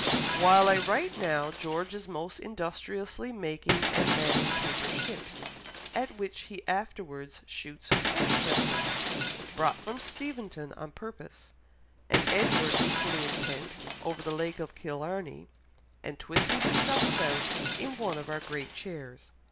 "While I write now George is most industriously making and manning paper ships, at which he afterwards shoots horse chestnuts, brought from Steventon on purpose; and Edward equally intent over the Lake of Killarney and twisting himself about in one of our great chairs."